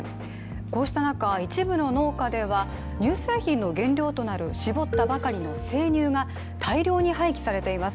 こうした中、一部の農家では乳製品の原料となる絞ったばかりの生乳が大量に廃棄されています。